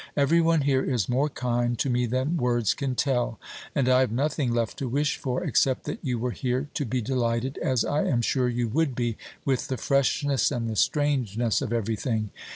Everyone here is more kind to me than words can tell; and I have nothing left to wish for, except that you were here to be delighted, as I am sure you would be, with the freshness and the strangeness of everything.